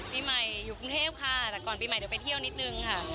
ปีใหม่อยู่กรุงเทพค่ะแต่ก่อนปีใหม่เดี๋ยวไปเที่ยวนิดนึงค่ะ